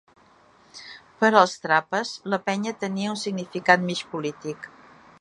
Per als Trapas, la penya tenia un significat mig polític.